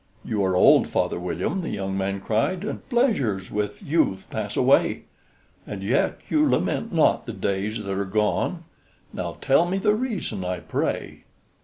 "You are old, Father William," the young man cried, "And pleasures with youth pass away; And yet you lament not the days that are gone: Now tell me the reason, I pray."